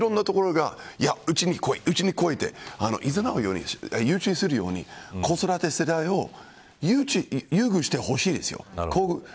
いろんなところがうちに来い、うちに来いと言っていざなうように子育て世代を優遇してほしいです。